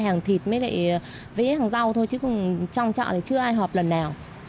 hai ba hàng thịt mới lại với hàng rau thôi chứ trong chợ thì chưa ai họp lần nào